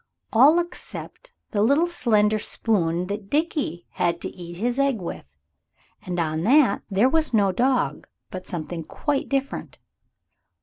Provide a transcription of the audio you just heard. All except the little slender spoon that Dickie had to eat his egg with. And on that there was no dog, but something quite different.